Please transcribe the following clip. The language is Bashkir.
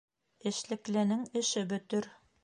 Эшлекленең эше бөтөр